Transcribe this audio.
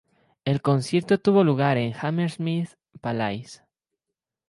El concierto tuvo lugar en el Hammersmith Palais.